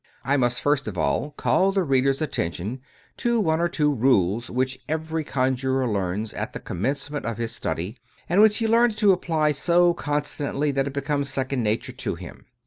280 Hereward Carrington I must first of all call the reader's attention to one or two rules which every conjurer learns at the commencement of his study, and which he learns to apply so constantly that it becomes second nature to him.